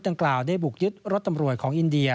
ดังกล่าวได้บุกยึดรถตำรวจของอินเดีย